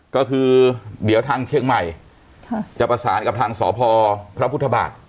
ก็คือเดี๋ยวทางเชียงใหม่จะประสานกับทางสพพระพุทธบาท